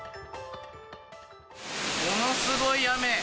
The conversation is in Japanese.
ものすごい雨。